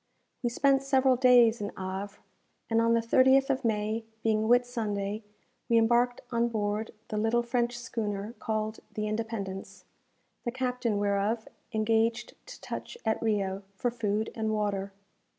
We spent several days in Havre; and on the 30th of May, being Whitsunday, we embarked on board the little French schooner called the "Independence," the captain whereof engaged to touch at Rio for food and water.